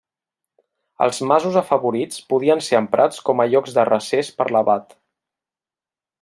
Els masos afavorits podien ser emprats com a llocs de recés per l'abat.